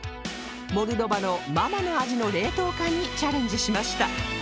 モルドバのママの味の冷凍化にチャレンジしました